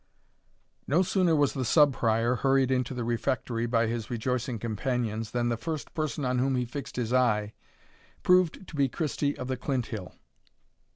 No sooner was the Sub Prior hurried into the refectory by his rejoicing companions, than the first person on whom he fixed his eye proved to be Christie of the Clinthill.